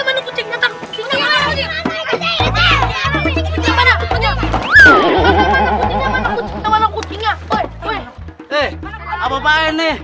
kalau mau siap siap